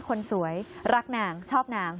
คนสวยรักนางชอบนาง